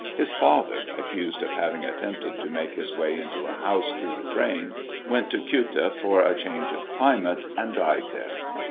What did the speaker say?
His father, accused of having attempted to make his way into a house through the drain, went to Ceuta for a change of climate, and died there.